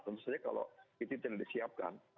tentu saja kalau itu tidak disiapkan